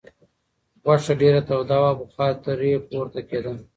غوښه ډېره توده وه او بخار ترې پورته کېده.